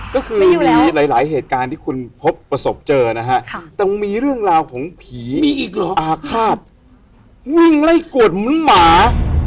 ก็คือมีหลายหลายเหตุการณ์ที่คุณพบประสบเจอนะฮะแต่มันมีเรื่องราวของผีมีอีกเหรออาฆาตวิ่งไล่กวดเหมือนหมา